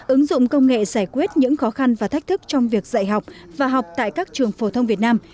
ứng dụng công nghệ giải quyết những khó khăn và thách thức trong việc dạy học và học tại các trường phổ thông việt nam